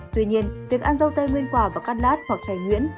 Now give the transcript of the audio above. tuy nhiên việc ăn rau tây nguyên quả và cắt lát hoặc xài nhuyễn